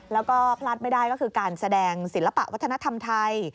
แล้วก็พลาดไม่ได้ก็คือการแสดงศิลปะวัฒนธรรมไทย